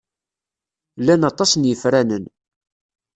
Llan aṭas n yifranen.